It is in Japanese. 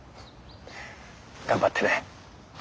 頑張ってね。